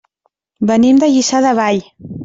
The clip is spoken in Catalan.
Venim de Lliçà de Vall.